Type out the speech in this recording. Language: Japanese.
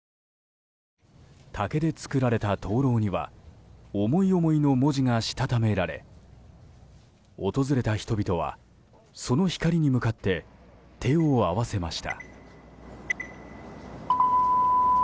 竹で作られた灯籠には思い思いの文字がしたためられ訪れた人々はその光に向かって手を合わせました。